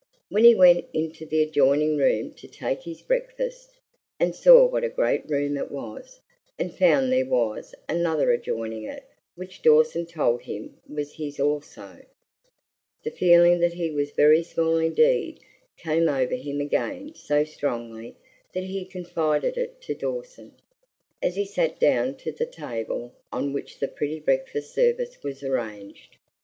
When he went into the adjoining room to take his breakfast, and saw what a great room it was, and found there was another adjoining it which Dawson told him was his also, the feeling that he was very small indeed came over him again so strongly that he confided it to Dawson, as he sat down to the table on which the pretty breakfast service was arranged.